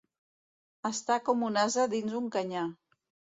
Estar com un ase dins un canyar.